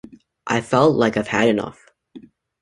I've felt like I've had enough.